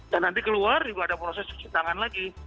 dan nanti keluar juga ada proses cuci tangan lagi